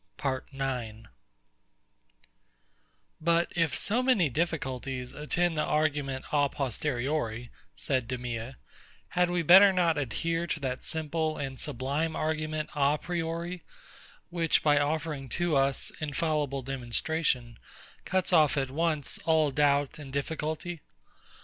PART 9 But if so many difficulties attend the argument a posteriori, said DEMEA, had we not better adhere to that simple and sublime argument a priori, which, by offering to us infallible demonstration, cuts off at once all doubt and difficulty?